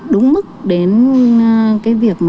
đúng mức đến cái việc